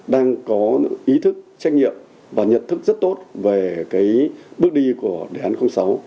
đang có ý thức trách nhiệm và nhận thức rất tốt về cái bước đi của đề án sáu